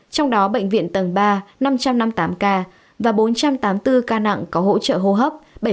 trong đó bệnh viện tầng ba năm trăm năm mươi tám ca và bốn trăm tám mươi bốn ca nặng có hỗ trợ hô hấp